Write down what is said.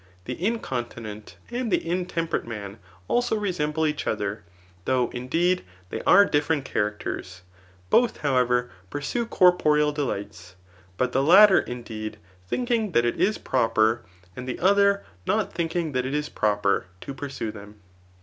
The incontinent, and the intemperate man, also resemble each other, though, indeed, they are diflferent characters. Both, however, pursue corporeal delights ; but the latter, indeed, thinkmg that it is pro per, and the other not thinking that it is proper, to pur* sue them.